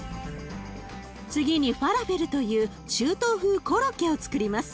次にファラフェルという中東風コロッケをつくります。